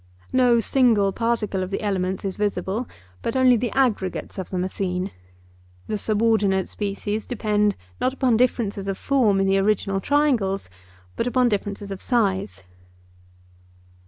No single particle of the elements is visible, but only the aggregates of them are seen. The subordinate species depend, not upon differences of form in the original triangles, but upon differences of size.